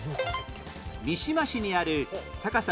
三島市にある高さ